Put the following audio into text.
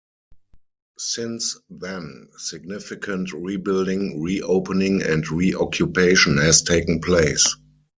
Since then, significant rebuilding, reopening, and reoccupation has taken place.